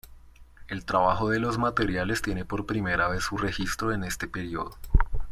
El trabajo de los materiales tiene por primera vez su registro en este período.